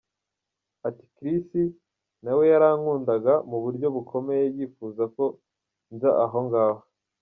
Ati “Krissi na we yarankundaga mu buryo bukomeye, yifuza ko nza aho ngaho”.